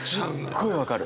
すっごい分かる。